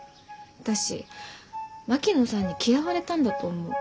私槙野さんに嫌われたんだと思う。